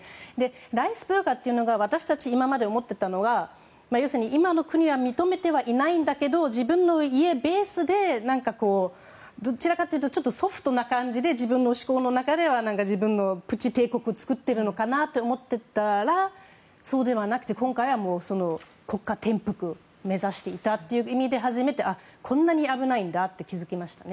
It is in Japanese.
ライヒスビュルガーというのは私たちは今まで思っていたのが、要するに今の国は認めていないんだけど自分の家ベースでどちらかというとソフトな感じで自分の思考の中では、自分のプチ帝国を作っているのかなと思ってたら、そうではなくて今回は、国家転覆を目指していたという意味で初めて、こんなに危ないんだと気づきましたね。